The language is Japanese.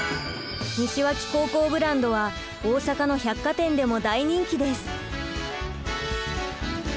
西脇高校ブランドは大阪の百貨店でも大人気です。